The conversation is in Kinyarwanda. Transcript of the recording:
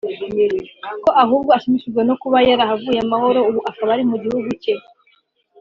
ko ahubwo ashimishijwe no kuba yarahavuye amahoro ubu akaba ari mu gihugu cye